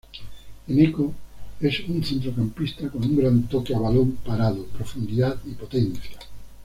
Eneko es un centrocampista con un gran toque a balón parado, profundidad y potencia.